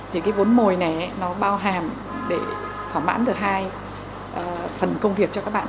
thì cái vốn mồi này nó bao hàm để thỏa mãn được hai phần công việc cho các bạn